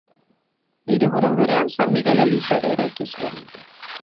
Hiriburu berean San Migel eliza ere eraiki zuen.